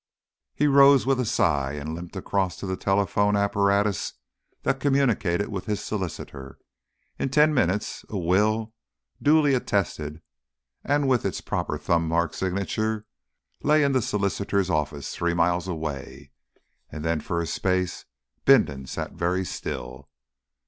He rose with a sigh, and limped across to the telephonic apparatus that communicated with his solicitor. In ten minutes a will duly attested and with its proper thumb mark signature lay in the solicitor's office three miles away. And then for a space Bindon sat very still.